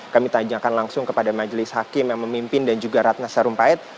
kami tanyakan langsung kepada majelis hakim yang memimpin dan juga ratna sarumpait